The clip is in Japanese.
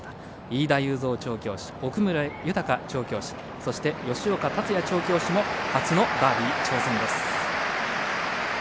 飯田雄三調教師、奥村豊調教師そして吉岡辰弥調教師も初のダービー挑戦です。